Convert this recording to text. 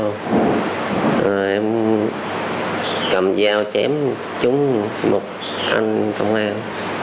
em cầm dao chém trúng một anh công an